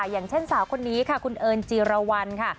อย่างเช่นสาวคนนี้ค่ะคุณเอิญจีรวรรณค่ะ